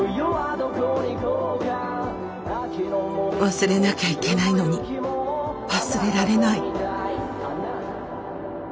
忘れなきゃいけないのに忘れられない。